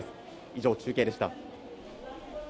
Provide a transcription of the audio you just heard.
以上、中継でした。